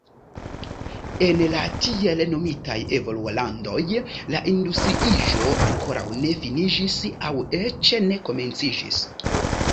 En la tiel nomitaj evolulandoj la industriiĝo ankoraŭ ne finiĝis aŭ eĉ ne komenciĝis.